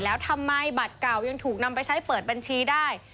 แล้วทำไมบัตรเก่ายังถูกนำไปใช้เปิดบัญชีได้